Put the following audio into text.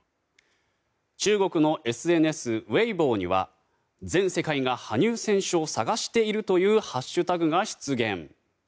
中国のＳＮＳ、ウェイボーには全世界が羽生選手を探しているというハッシュタグが出現。